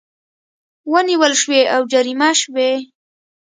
ونیول شوې او جریمه شوې